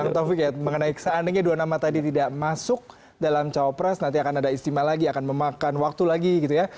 bang taufik ya mengenai seandainya dua nama tadi tidak masuk dalam cawapres nanti akan ada istimewa lagi akan memakan waktu lagi gitu ya